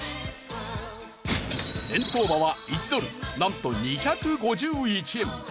円相場は１ドルなんと２５１円！